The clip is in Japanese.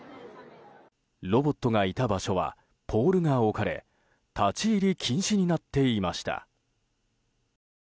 ロボットがいた場所はポールが置かれ立ち入り禁止になっていました。